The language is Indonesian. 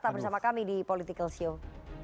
tetap bersama kami di political show